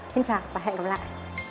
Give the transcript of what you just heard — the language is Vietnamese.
xin chào và hẹn gặp lại